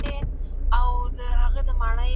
که مبارزه نه وي سياسي قدرت نسي ترلاسه کېدای.